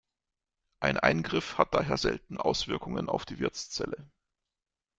Ein Eingriff hat daher selten Auswirkungen auf die Wirtszelle.